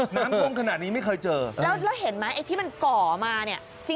น้ำท่วมขนาดนี้ไม่เคยเจอแล้วเห็นมั้ยที่มันก่อมานี่